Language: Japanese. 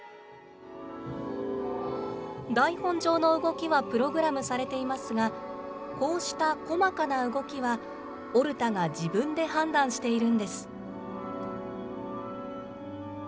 台本上の動きはプログラムされていますが、こうした細かな動きは、オルタが自分で判断しているんです。